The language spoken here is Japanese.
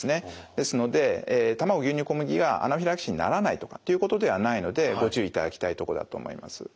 ですので卵牛乳小麦がアナフィラキシーにならないとかっていうことではないのでご注意いただきたいとこだと思います。